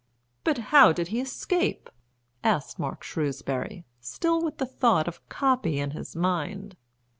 "But how did he escape?" asked Mark Shrewsbury, still with the thought of "copy" in his mind.